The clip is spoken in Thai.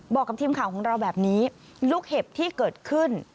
บอกกับทีมข่าวของเราแบบนี้ลูกเห็บที่เกิดขึ้น